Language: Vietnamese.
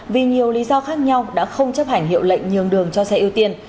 vì nhiều lý do khác nhau đã không chấp hành hiệu lệnh nhường đường cho xe ưu tiên